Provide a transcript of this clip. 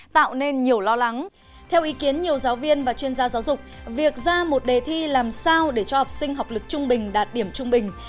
theo ý kiến nhiều giáo viên và chuyên gia giáo dục việc ra một đề thi làm sao để cho học sinh học lực trung bình đạt điểm trung bình